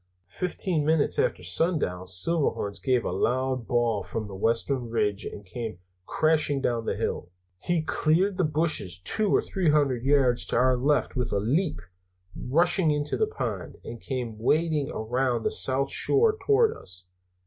"Fifteen minutes after sundown Silverhorns gave a loud bawl from the western ridge and came crashing down the hill. He cleared the bushes two or three hundred yards to our left with a leap, rushed into the pond, and came wading around the south shore toward us.